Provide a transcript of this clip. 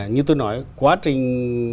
như tôi nói quá trình